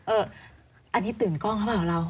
เอออันนี้ตื่นกล้องครับเรา